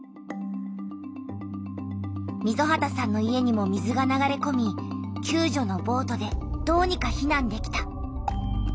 溝端さんの家にも水が流れこみきゅう助のボートでどうにか避難できた。